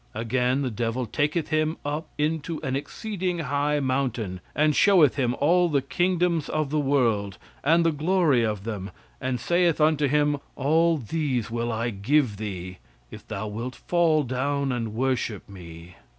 Again the devil taketh him up into an exceeding high mountain and showeth him all the kingdoms of the world and the glory of them, and saith unto him 'All these will I give thee if thou wilt fall down and worship me.'"